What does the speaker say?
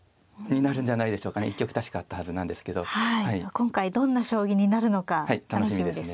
今回どんな将棋になるのか楽しみですね。